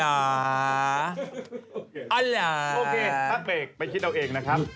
โอเคพักเบรกไปคิดเอาเองนะครับ